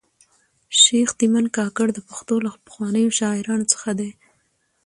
شېخ تیمن کاکړ د پښتو له پخوانیو شاعرانو څخه دﺉ.